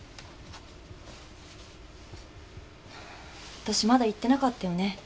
あたしまだ言ってなかったよね。